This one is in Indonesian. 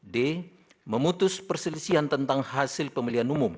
d memutus perselisihan tentang hasil pemilihan umum